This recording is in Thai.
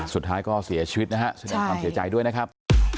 สุดท้ายก็เสียชีวิตนะฮะแสดงความเสียใจด้วยนะครับ